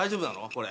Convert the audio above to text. これ。